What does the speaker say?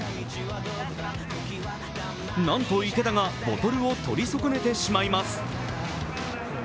なんと池田がボトルを取り損ねてしまいます。